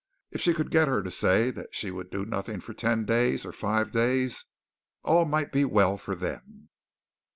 If she could get her to say that she would do nothing for ten days or five days all might be well for them.